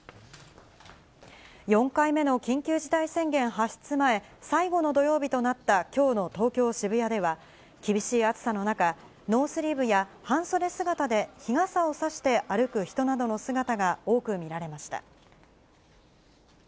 ４回目の緊急事態宣言発出前、最後の土曜日となったきょうの東京・渋谷では、厳しい暑さの中、ノースリーブや半袖姿で日傘を差して歩く人などの姿が多く見られました。